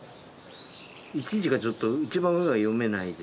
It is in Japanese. １字がちょっと一番上は読めないです。